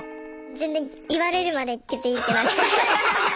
全然言われるまで気付いてなかった。